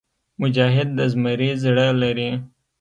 مجاهد د زمري زړه لري.